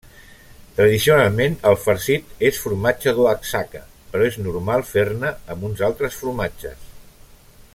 Tradicionalment el farcit és formatge d'Oaxaca però és normal fer-ne amb uns altres formatges.